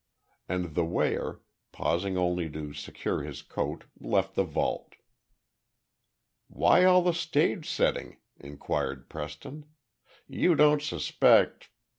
And the weigher, pausing only to secure his coat, left the vault. "Why all the stage setting?" inquired Preston. "You don't suspect...."